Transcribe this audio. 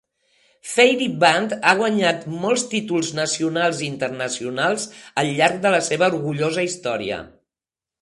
Fairey Band ha guanyat molts títols nacionals i internacionals al llarg de la seva orgullosa història.